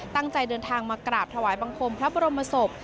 ตั้งใจเดินทางมากราบถวายบังคมพระบรมศพ